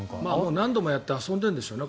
何度もやって遊んでるんでしょうね。